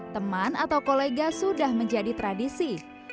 teman atau kolega sudah menjadi tradisi